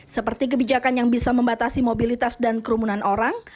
seperti kebijakan yang bisa membatasi mobilitas dan kerumunan orang